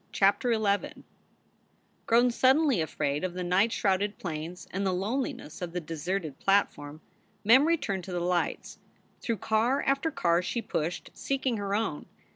CHAPTER XI ROWN suddenly afraid of the night shrouded plains and the loneliness of the deserted platform, Mem returned to the lights. Through car after car she pushed, seeking her own.